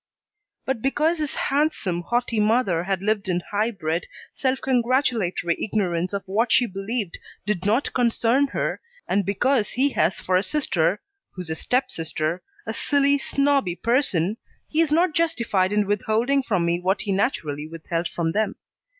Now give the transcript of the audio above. But because his handsome, haughty mother had lived in high bred, self congratulatory ignorance of what she believed did not concern her, and because he has for a sister, who's a step sister, a silly, snobby person, he is not justified in withholding from me what he naturally withheld from them.